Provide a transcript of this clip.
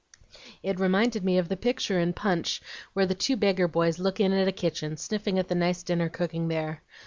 It reminded me of the picture in Punch where the two beggar boys look in at a kitchen, sniffing at the nice dinner cooking there.